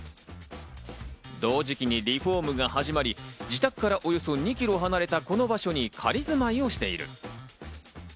同時期にリフォームが始まり、自宅からおよそ２キロ離れた、この場所に仮住まいをしている。